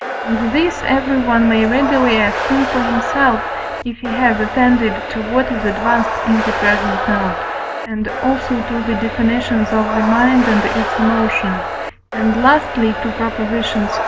And this everyone may readily have seen for himself, if he has attended to what is advanced in the present note, and also to the definitions of the mind and its emotions, and, lastly, to Propositions i.